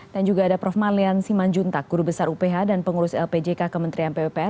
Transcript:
dan juga ada prof malian siman juntak guru besar uph dan pengurus lpjk kementerian pwpr